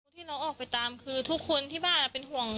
ที่เราออกไปตามคือทุกคนที่บ้านเป็นห่วง